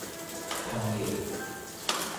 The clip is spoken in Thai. ทองเอก